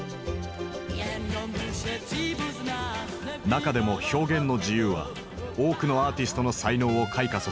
中でも表現の自由は多くのアーティストの才能を開花させた。